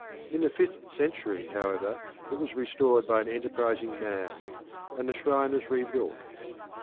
In the fifth century, however, it was restored by an enterprising man, and the shrine was rebuilt.